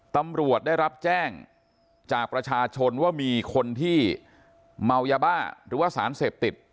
ตำรวจได้รับแจ้งจากประชาชนว่ามีคนที่เมายาบ้าหรือว่าสารเสพติด